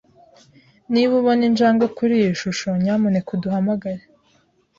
Niba ubona injangwe kuri iyi shusho, nyamuneka uduhamagare.